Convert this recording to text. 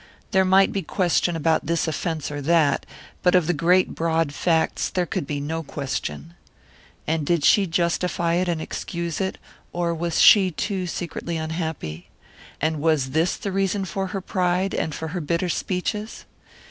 There might be question about this offence or that, but of the great broad facts there could be no question. And did she justify it and excuse it; or was she, too, secretly unhappy? And was this the reason for her pride, and for her bitter speeches?